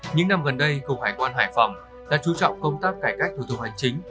những năm gần đây cục hải quan hải phòng đã chú trọng công tác cải cách thủ tục hành chính